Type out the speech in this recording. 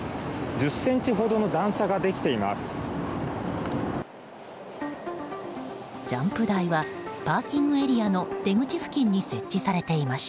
１０ｃｍほどの段差ができています。